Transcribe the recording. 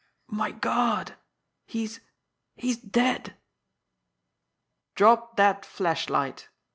My God he's he's dead." "Drop that flashlight!"